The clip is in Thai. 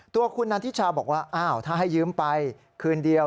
ตัวคุณนันทิชาบอกว่าอ้าวถ้าให้ยืมไปคืนเดียว